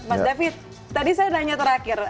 mas david tadi saya nanya terakhir